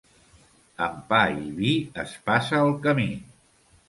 Amb pa i vi es passa el camí.